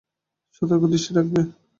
সতর্ক দৃষ্টি রাখবে।